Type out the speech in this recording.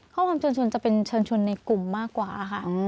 ความเชิญชวนจะเป็นเชิญชวนในกลุ่มมากกว่าค่ะ